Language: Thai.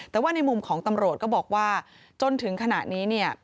แต่ว่าในมุมของตำรวจก็บอกว่าจนถึงขณะนี้เนี่ย